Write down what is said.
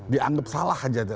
dianggap salah aja